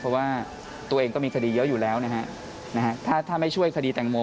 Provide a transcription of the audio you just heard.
เพราะว่าตัวเองก็มีคดีเยอะอยู่แล้วนะฮะถ้าไม่ช่วยคดีแตงโม